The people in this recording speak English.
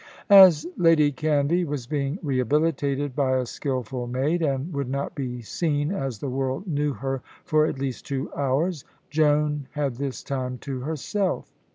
As Lady Canvey was being rehabilitated by a skilful maid, and would not be seen as the world knew her for at least two hours, Joan had this time to herself.